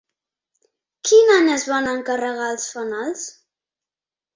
Quin any es van encarregar els fanals?